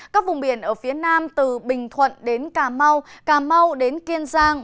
các vùng biển ở phía nam từ bình thuận đến cà mau cà mau đến kiên giang